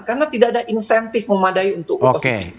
karena tidak ada insentif memadai untuk oposisi